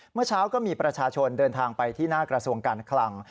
เมื่อเช้าก็มีประชาชนเดินทางไปที่หน้ากระทรวงการคลัง